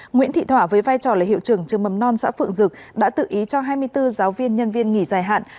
nguyễn thị thỏa với vai trò là hiệu trưởng trường mầm non xã phượng dực đã tự ý cho hai mươi bốn giáo viên nhân viên nghỉ dài hạn